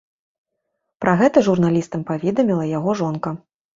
Пра гэта журналістам паведаміла яго жонка.